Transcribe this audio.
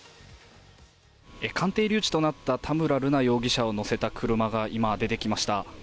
鑑定留置となった田村瑠奈容疑者を乗せた車が今、出てきました。